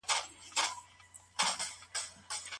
دا ویډیو د یوې مهمې پېښې ښکارندویي کوي.